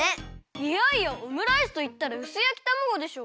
いやいやオムライスといったらうすやきたまごでしょ！